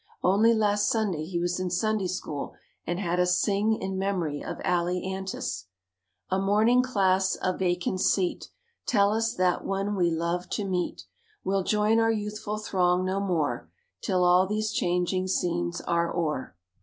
Only last Sunday he was in Sunday School and had us sing in memory of Allie Antes: "A mourning class, a vacant seat, Tell us that one we loved to meet Will join our youthful throng no more, 'Till all these changing scenes are o'er."